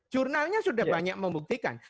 jurnalnya sudah banyak membuktikan